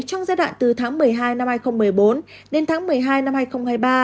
trong giai đoạn từ tháng một mươi hai năm hai nghìn một mươi bốn đến tháng một mươi hai năm hai nghìn hai mươi ba